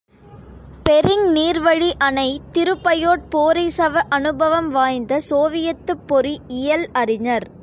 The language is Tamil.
பெரிங் நீர்வழி அணை திரு பயோட் போரிசவ் அனுபவம் வாய்ந்த சோவியத்துப் பொறி இயல் அறிஞர்.